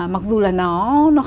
mặc dù là nó